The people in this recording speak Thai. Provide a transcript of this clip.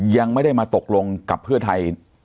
ยังไม่ได้มาตกลงกับเพื่อไทย